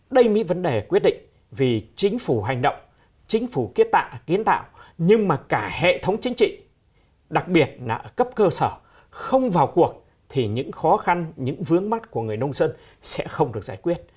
đây mới là vấn đề quyết định vì chính phủ hành động chính phủ kiến tạo nhưng mà cả hệ thống chính trị đặc biệt là cấp cơ sở không vào cuộc thì những khó khăn những vướng mắt của người nông dân sẽ không được giải quyết